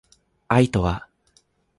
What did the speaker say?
愛とは